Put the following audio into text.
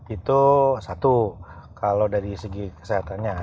itu satu kalau dari segi kesehatannya